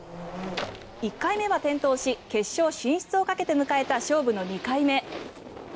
１回目は転倒し決勝進出をかけて迎えた勝負の２回目。